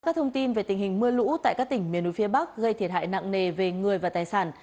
các thông tin về tình hình mưa lũ tại các tỉnh miền núi phía bắc gây thiệt hại nặng nề về người và tài sản